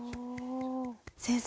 先生。